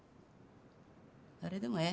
誰でもええ。